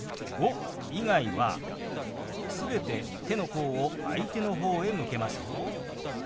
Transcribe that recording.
「５」以外は全て手の甲を相手の方へ向けますよ。